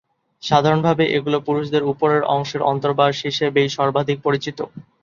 সাধারণভাবে এগুলো পুরুষদের উপরের অংশের অন্তর্বাস হিসেবেই সর্বাধিক পরিচিত।